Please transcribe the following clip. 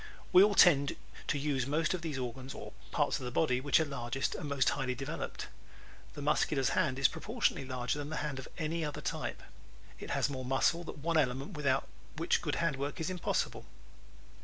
We all tend to use most those organs or parts of the body which are largest and most highly developed. The Muscular's hand is proportionately larger than the hand of any other type. It has more muscle, that one element without which good hand work is impossible.